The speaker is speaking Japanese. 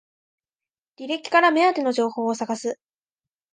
履歴から目当ての情報を探す